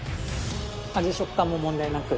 味食感も問題なく。